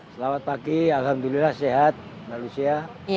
selamat pagi alhamdulillah sehat mbak lucia